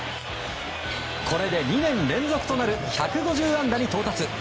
これで２年連続となる１５０安打に到達。